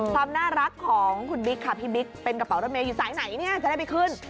ความน่ารักของคุณบิ๊กค่ะพี่บิ๊กเป็นกระเป๋ารถเมย์อยู่สายไหนเนี่ยจะได้ไปขึ้น